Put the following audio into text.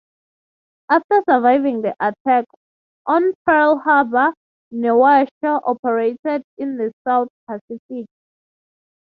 After surviving the Attack on Pearl Harbor, "Neosho" operated in the South Pacific.